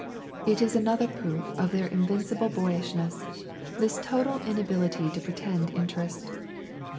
It is another proof of their invincible boyishness, this total inability to pretend interest.